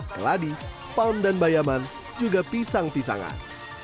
keladi pam dan bayaman juga pisang pisangan